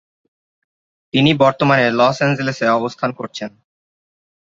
তিনি বর্তমানে লস এঞ্জেলেসে অবস্থান করছেন।